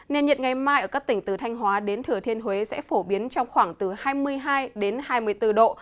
nền nhiệt ngày mai ở các tỉnh từ thanh hóa đến thừa thiên huế sẽ phổ biến trong khoảng từ hai mươi hai đến hai mươi bốn độ